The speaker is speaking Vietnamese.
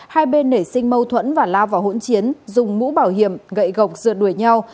hai bên nể sinh mâu thuẫn và la vào hỗn chiến dùng mũ bảo hiểm gậy gọc rượt đuổi nhau